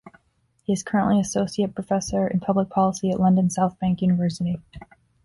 He is currently Associate Professor in Public Policy at London South Bank University.